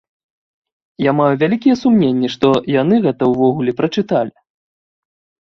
Я маю вялікія сумненні, што яны гэта ўвогуле прачыталі.